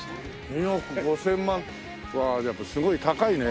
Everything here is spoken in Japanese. ２億５０００万。わやっぱすごい高いね。